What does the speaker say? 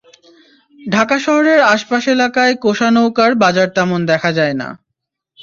ঢাকা শহরের আশপাশ এলাকায় কোষা নৌকার বাজার তেমন দেখা যায় না।